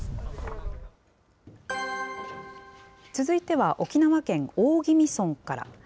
続いては沖縄県大宜味村から。